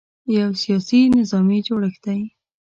یو سیاسي – نظامي جوړښت دی.